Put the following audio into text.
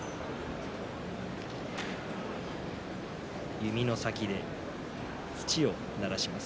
弓の先で土をならします。